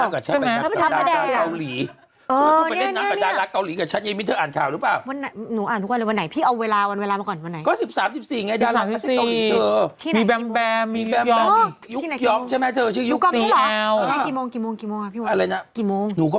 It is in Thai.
ขอไปเล่นน้ำกับดารักท์เมื่อกับชัดเยมิทัยอ่อนข่าว